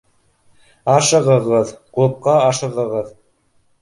— Ашығығыҙ, клубҡа ашығығыҙ